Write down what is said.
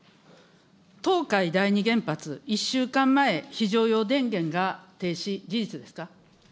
東海第二原発、１週間前、非常用電源が停止、事実ですか。